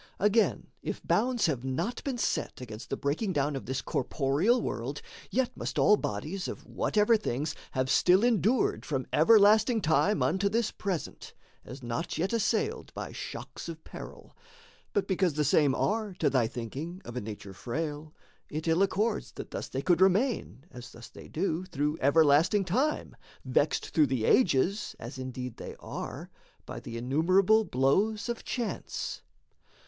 Again, if bounds have not been set against The breaking down of this corporeal world, Yet must all bodies of whatever things Have still endured from everlasting time Unto this present, as not yet assailed By shocks of peril. But because the same Are, to thy thinking, of a nature frail, It ill accords that thus they could remain (As thus they do) through everlasting time, Vexed through the ages (as indeed they are) By the innumerable blows of chance.